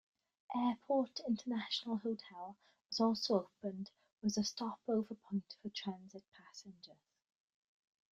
Airport International Hotel was also opened was a stopover point for transit passengers.